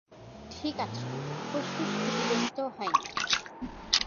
ঠিক আছে, ফুসফুস ক্ষতিগ্রস্থ হয়নি।